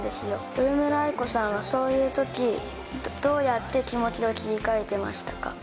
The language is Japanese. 上村愛子さんはそういうときどうやって気持ちを切り替えてましたか？